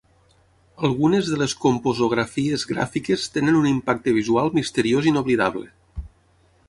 Algunes de les composografies "Gràfiques" tenen un impacte visual misteriós inoblidable.